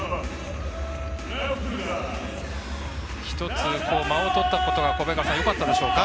１つ、間をとったことがよかったんでしょうか。